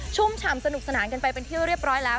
ฉ่ำสนุกสนานกันไปเป็นที่เรียบร้อยแล้ว